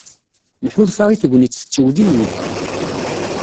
Nḥulfa i tegnit tettewliwil.